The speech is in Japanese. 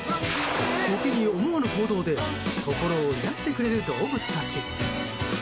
時に思わぬ行動で心を癒やしてくれる動物たち。